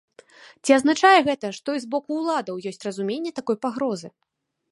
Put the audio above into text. Ці азначае гэта, што і з боку ўладаў ёсць разуменне такой пагрозы?